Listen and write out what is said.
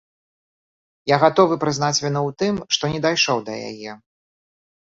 Я гатовы прызнаць віну ў тым, што не дайшоў да яе.